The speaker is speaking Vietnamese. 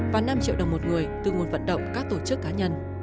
và năm triệu đồng một người từ nguồn vận động các tổ chức cá nhân